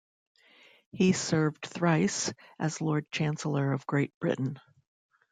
He served thrice as Lord Chancellor of Great Britain.